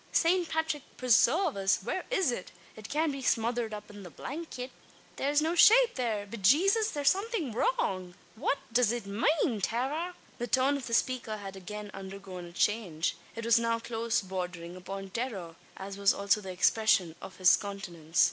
Saint Patrick presarve us, whare is it? It cyan't be smothered up in the blankyet? Thare's no shape thare! Be Jaysus, thare's somethin' wrong! What does it mane, Tara?" The tone of the speaker had again undergone a change. It was now close bordering upon terror as was also the expression of his countenance.